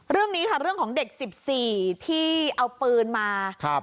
เรื่องนี้ค่ะเรื่องของเด็ก๑๔ที่เอาปืนมา